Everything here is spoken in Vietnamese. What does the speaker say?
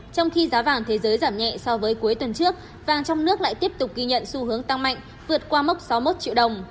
trong khi giá vàng thế giới giảm nhẹ so với cuối tuần trước vàng trong nước lại tiếp tục ghi nhận xu hướng tăng mạnh vượt qua mốc sáu mươi một triệu đồng